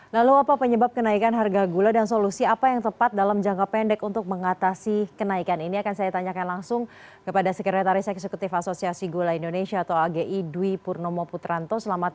lalu apa penyebab kenaikan harga gula dan solusi apa yang tepat dalam jangka pendek untuk mengatasi kenaikan ini akan saya tanyakan langsung kepada sekretaris eksekutif asosiasi gula indonesia atau agi dwi purnomo putranto